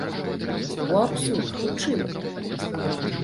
Бо абсурд ў чым?